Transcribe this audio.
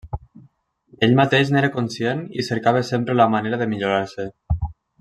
Ell mateix n'era conscient i cercava sempre manera de millorar-se.